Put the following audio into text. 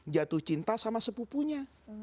jatuh cinta sama sepupunya